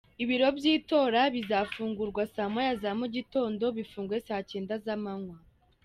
Ibiro by’itora bizafungurwa saa moya za mugitondo bifungwe saa cyenda z’amanywa.